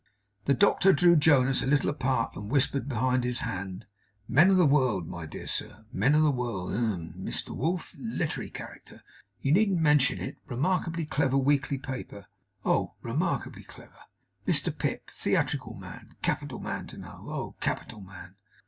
The doctor drew Jonas a little apart, and whispered behind his hand: 'Men of the world, my dear sir men of the world. Hem! Mr Wolf literary character you needn't mention it remarkably clever weekly paper oh, remarkably clever! Mr Pip theatrical man capital man to know oh, capital man!